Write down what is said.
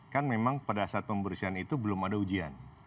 kan memang pada saat pembersihan itu belum ada ujian